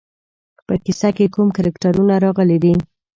په کیسه کې کوم کرکټرونه راغلي دي.